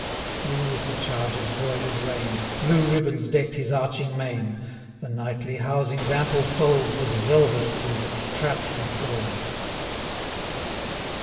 Blue was the charger's broider'd rein; Blue ribbons deck'd his arching mane; 90 The knightly housing's ample fold Was velvet blue, and trapp'd with gold.